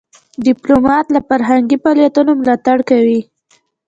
ډيپلومات له فرهنګي فعالیتونو ملاتړ کوي.